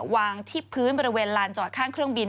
วางที่พื้นบริเวณลานจอดข้างเครื่องบิน